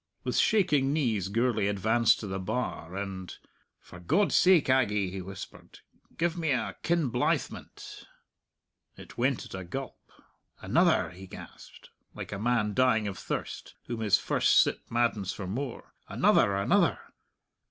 With shaking knees Gourlay advanced to the bar, and, "For God's sake, Aggie," he whispered, "give me a Kinblythmont!" It went at a gulp. "Another!" he gasped, like a man dying of thirst, whom his first sip maddens for more. "Another! Another!"